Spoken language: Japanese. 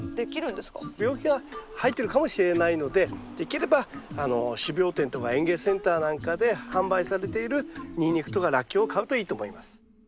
病気が入ってるかもしれないのでできれば種苗店とか園芸センターなんかで販売されているニンニクとかラッキョウを買うといいと思います。